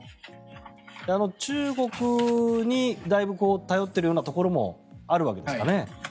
中国にだいぶ頼っているようなところもあるわけですかね。